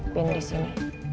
pindah di sini